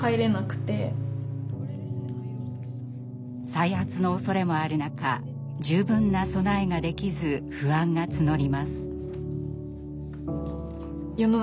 再発のおそれもある中十分な備えができず不安が募ります。